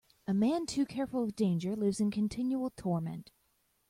A man too careful of danger lives in continual torment.